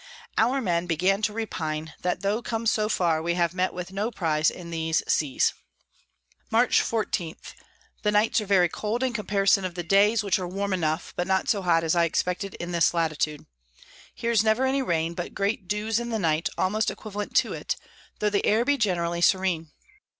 Our Men begin to repine, that tho come so far, we have met with no Prize in these Seas. Mar. 14. The Nights are very cold in comparison of the Days, which are warm enough, but not so hot as I expected in this Latitude. Here's never any Rain, but great Dews in the night, almost equivalent to it, tho the Air be generally serene.